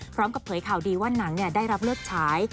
พร้อมกับเผยข่าวดีว่านังได้รับเลือกฉาย